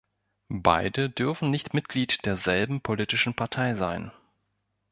Beide dürfen nicht Mitglied derselben politischen Partei sein.